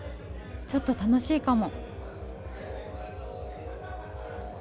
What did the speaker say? ちょっと楽しいかも！